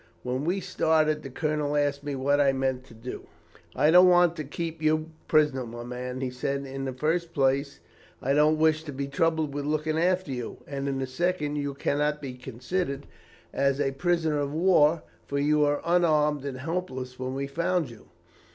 When we started, the colonel asked me what I meant to do. "'I don't want to keep you prisoner, my man,' he said. 'In the first place, I don't wish to be troubled with looking after you; and in the second, you cannot be considered as a prisoner of war, for you were unarmed and helpless when we found you.